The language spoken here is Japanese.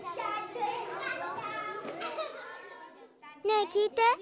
ねえ聞いて。